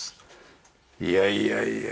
いやいやいやいや。